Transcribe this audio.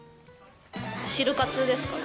シル活ですかね。